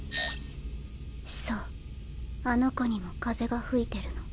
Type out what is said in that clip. そうあの子にも風が吹いてるの。